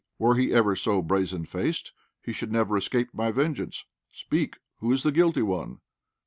"Were he ever so brazen faced, he should never escape my vengeance! Speak, who is the guilty one?"